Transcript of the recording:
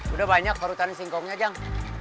udah banyak parutan singkongnya jang